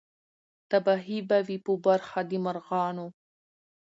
تباهي به وي په برخه د مرغانو